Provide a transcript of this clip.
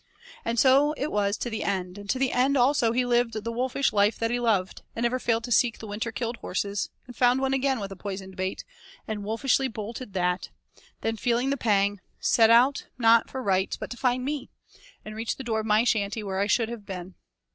And it was so to the end; and to the end also he lived the wolfish life that he loved, and never failed to seek the winter killed horses and found one again with a poisoned bait, and wolfishly bolted that; then feeling the pang, set out, not for Wright's but to find me, and reached the door of my shanty where I should have been.